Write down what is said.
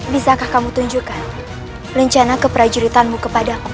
bisakah kamu tunjukkan rencana keperajuritannya kepadaku